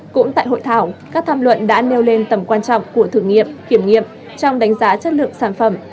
cũng tại hội thảo các tham luận đã nêu lên tầm quan trọng của thử nghiệm kiểm nghiệm trong đánh giá chất lượng sản phẩm